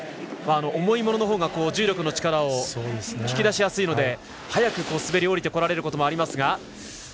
重いもののほうが重力の力を引き出しやすいので早く滑り降りてこられることもありますが。